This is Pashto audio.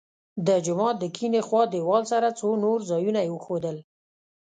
د جومات د کیڼې خوا دیوال سره څو نور ځایونه یې وښودل.